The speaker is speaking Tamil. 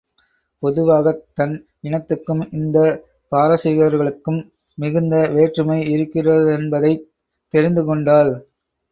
பொதுவாகத் தன் இனத்துக்கும் இந்தப் பாரசீகர்களுக்கும் மிகுந்த வேற்றுமை இருக்கிறதென்பதைத் தெரிந்துகொண்டாள்.